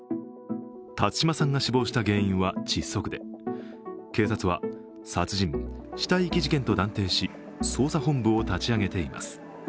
辰島さんが死亡した原因は窒息で警察は殺人・死体遺棄事件と断定し、捜査本部を立ち上げています。